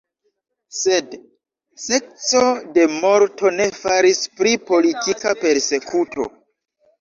Sed sekco de morto ne faris pri politika persekuto.